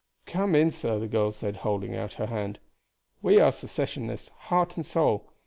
"Come in, sir," the girl said, holding out her hand. "We are Secessionists, heart and soul.